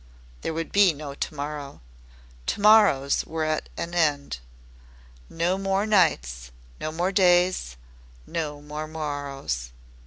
There would be no To morrow. To morrows were at an end. No more nights no more days no more morrows.